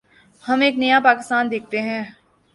ہم ایک نیا پاکستان دیکھتے ہیں۔